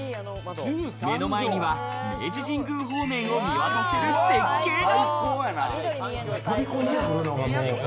目の前には明治神宮方面を見渡せる絶景が！